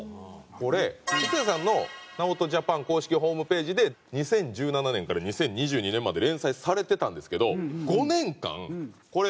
これ靴屋さんのＮＡＯＴＪＡＰＡＮ公式ホームページで２０１７年から２０２２年まで連載されてたんですけど５年間これ。